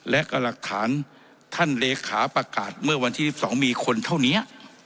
และหลักฐานท่านเลขาประกาศเมื่อวันที่๑๒มีคนเท่านี้